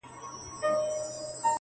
ته خوله لکه ملا ته چي زکار ورکوې,